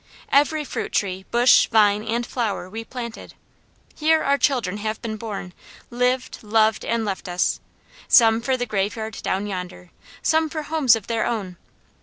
Every fruit tree, bush, vine, and flower we planted. Here our children have been born, lived, loved, and left us; some for the graveyard down yonder, some for homes of their own.